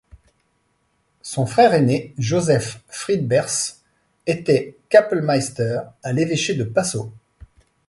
Son frère aîné Joseph Frieberth était Kapellmeister à l'évêché de Passau.